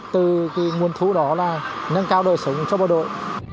từ nguồn thu đó là nâng cao đời sống cho bộ đội